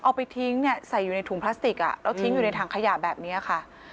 เอาไปทิ้งเนี่ยใส่อยู่ในถุงพลาสติกแล้วทิ้งอยู่ในถังขยะแบบนี้ค่ะ